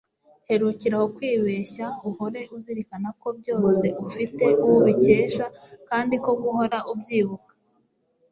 herukira aho kwibeshya ; uhore uzirikana ko byose ufite uwo ubikesha kandi ko guhora ubyibuka